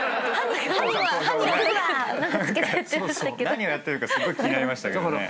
何をやってるかすごい気になりましたけどね。